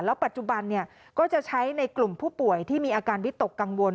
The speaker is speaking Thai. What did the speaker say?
ปัจจุบันก็จะใช้ในกลุ่มผู้ป่วยที่มีอาการวิตกกังวล